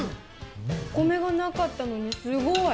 お米がなかったのにすごい！